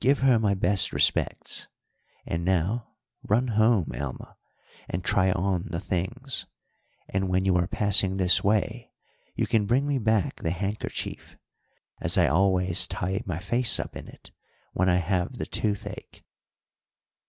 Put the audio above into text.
Give her my best respects. And now run home, Alma, and try on the things, and when you are passing this way you can bring me back the handkerchief, as I always tie my face up in it when I have the toothache.'